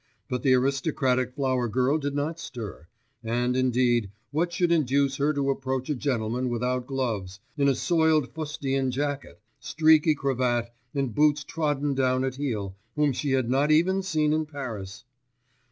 But the aristocratic flower girl did not stir; and, indeed, what should induce her to approach a gentleman without gloves, in a soiled fustian jacket, streaky cravat, and boots trodden down at heel, whom she had not even seen in Paris?